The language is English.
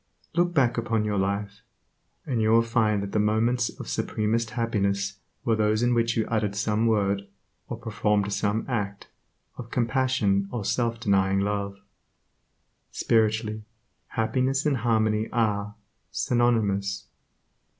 Look back upon your life, and you will find that the moments of supremest happiness were those in which you uttered some word, or performed some act, of compassion or self denying love. Spiritually, happiness and harmony are, synonymous.